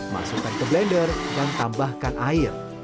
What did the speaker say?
masukkan ke blender dan tambahkan air